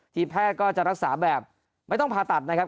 แพทย์ก็จะรักษาแบบไม่ต้องผ่าตัดนะครับ